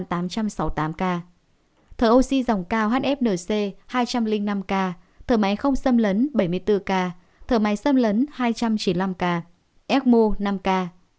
thở oxy dòng cao hfnc hai trăm linh năm ca thở máy không xâm lấn bảy mươi bốn ca thở máy xâm lấn hai trăm chín mươi năm ca ecmo năm k